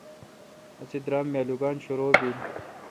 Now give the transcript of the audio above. اسی درام می آلوگان شرو بیل۔